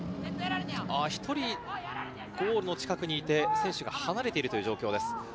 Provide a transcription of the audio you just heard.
１人ゴールの近くにいて、選手が離れているという状況です。